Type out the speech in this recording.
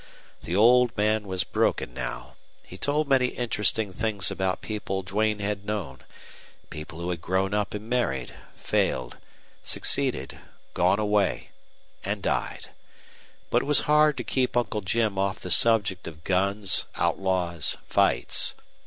The old man was broken now. He told many interesting things about people Duane had known people who had grown up and married, failed, succeeded, gone away, and died. But it was hard to keep Uncle Jim off the subject of guns, outlaws, fights.